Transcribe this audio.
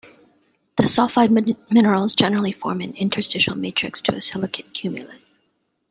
The sulfide minerals generally form an interstitial matrix to a silicate cumulate.